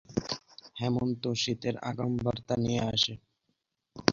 হেমন্ত শীতের আগাম বার্তা নিয়ে আসে।